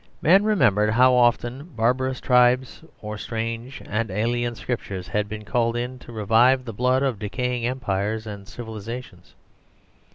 Men remembered how often barbarous tribes or strange and alien Scriptures had been called in to revive the blood of decaying empires and civilisations.